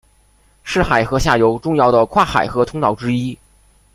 是海河下游重要的跨海河通道之一。